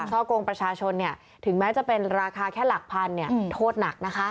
ช่อกงประชาชนถึงแม้จะเป็นราคาแค่หลักพันโทษหนักนะคะ